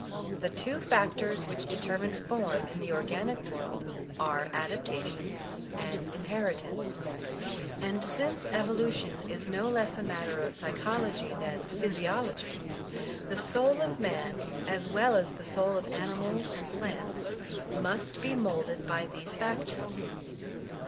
The two factors which determine form in the organic world are adaptation and inheritance; and since evolution is no less a matter of psychology than physiology, the soul of man as well as the soul of animals and plants, must be moulded by these factors.